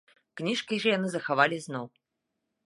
Кніжкі ж яны захавалі зноў.